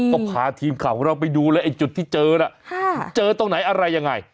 ก็พาทีมข่าวของเราไปดูเลยไอ้จุดที่เจอน่ะเจอตรงไหนอะไรยังไง